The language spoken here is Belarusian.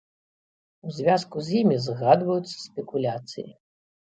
У звязку з імі згадваюцца спекуляцыі.